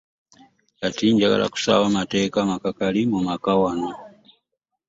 Kati njagala kussaawo mateeka makakali mu maka wano.